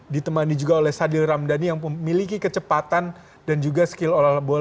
ditemani juga oleh sadil ramdhani yang memiliki kecepatan dan juga skill olahraga